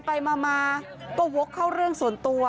ไปมาก็วกเข้าเรื่องส่วนตัว